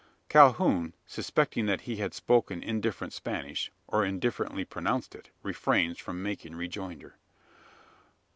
Calhoun, suspecting that he had spoken indifferent Spanish, or indifferently pronounced it, refrains from making rejoinder.